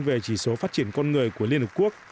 về chỉ số phát triển con người của liên hợp quốc